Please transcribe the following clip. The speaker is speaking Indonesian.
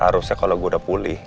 harusnya kalau gue udah pulih